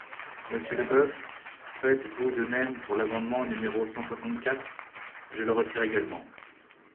Monsieur Leboeuf, faites-vous de même pour l’amendement numéro cent soixante-quatre ? Je le retire également.